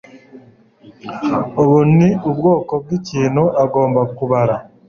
ubu ni ubwoko bwikintu ugomba kubara